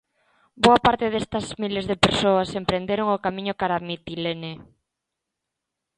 Boa parte destas miles de persoas emprenderon o camiño cara a Mitilene.